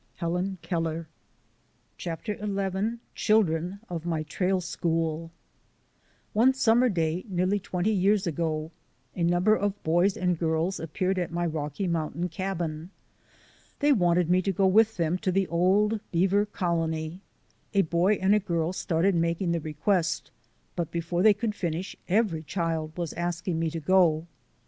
— Helen Keller. CHAPTER XI CHILDREN OF MY TRAIL SCHOOL ONE summer day nearly twenty years ago a number of boys and girls appeared at my Rocky Mountain cabin. They wanted me to go with them to the old beaver colony. A boy and a girl started making the request, but before they could finish every child was asking me to go.